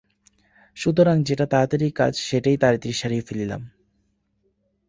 সুতরাং যেটা তাড়াতাড়ির কাজ সেইটেই তাড়াতাড়ি সারিয়া ফেলিলাম।